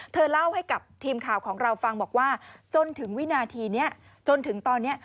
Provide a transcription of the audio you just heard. เธอเล่าให้กับทีมข่าวของเราฟังบอกว่าจนถึงวินาทีนี้จนถึงตอนนี้